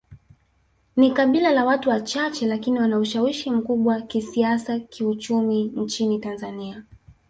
Ni kabila la watu wachache lakini wana ushawishi mkubwa kisiasa kiuchumi nchini Tanzania